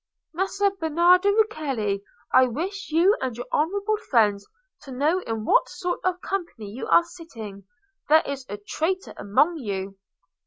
"Messer Bernardo Rucellai, I wish you and your honourable friends to know in what sort of company you are sitting. There is a traitor among you."